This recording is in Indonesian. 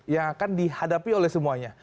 yang akan dihadapi oleh semuanya